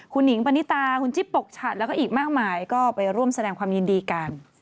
คุณหิงปณิตาคุณจิ๊บปกฉัดแล้วก็อีกมากมายก็ไปร่วมแสดงความยินดีกัน